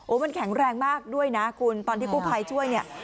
มันแข็งแรงมากด้วยนะคุณตอนที่กู้ภัยช่วยเนี่ย